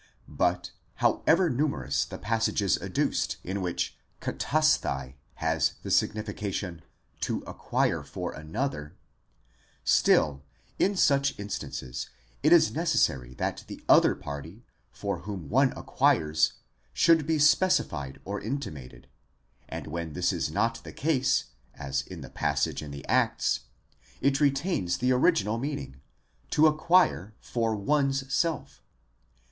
° But however numerous the passages adduced in which κτᾶσθαι has the signification: to acquire for another, still in such instances it is necessary that the other party for whom one acquires should be specified or intimated, and when this is not the case, as in the pas sage in the Acts, it retains the original meaning: to acquire for one's self.